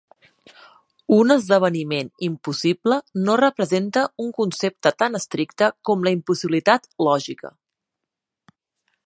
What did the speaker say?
Un esdeveniment impossible no representa un concepte tan estricte com la impossibilitat lògica.